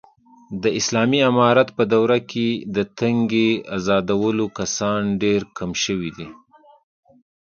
د اسالامي امارت په دوره کې، د تنگې ازادولو کسان ډېر کم شوي دي.